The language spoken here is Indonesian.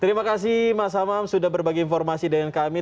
terima kasih mas amam sudah berbagi informasi dengan kami